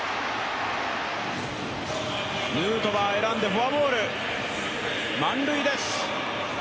ヌートバー、選んでフォアボール、満塁です。